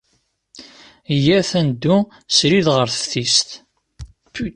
Iyyat ad neddu srid ɣer teftist.